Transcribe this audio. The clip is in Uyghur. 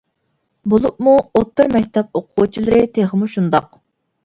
بولۇپمۇ ئوتتۇرا مەكتەپ ئوقۇغۇچىلىرى تېخىمۇ شۇنداق.